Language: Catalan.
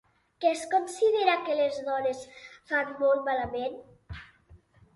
Què es considera que les dones fan molt malament?